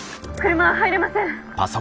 車は入れません。